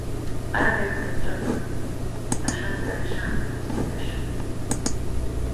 Арбаӷьқәа еиқәҿырҭуан, ашацкыра ишаамҭахоз мҩашьо.